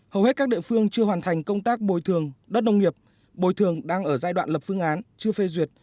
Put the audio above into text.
hầu hết các địa phương chưa hoàn thành công tác bồi thường đất nông nghiệp bồi thường đang ở giai đoạn lập phương án chưa phê duyệt